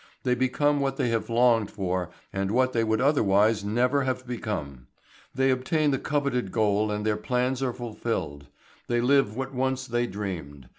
They become what they have longed for and what they would otherwise never have become. They obtain the coveted goal and their plans are fulfilled. They live what once they dreamed.